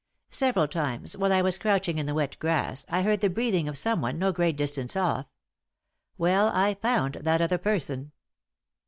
Several times, while I was crouching in the wet grass, I heard the breathing of someone no great distance off. Well, I found that other person."